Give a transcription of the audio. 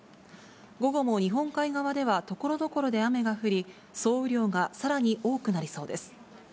午後も日本海側ではところどころで雨が降り、総雨量がさらに多くなりそうです。